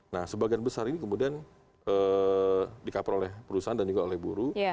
nah sebagian besar ini kemudian di cover oleh perusahaan dan juga oleh buruh